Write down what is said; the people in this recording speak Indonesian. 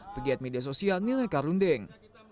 pegiat media sosial ninoi karundeng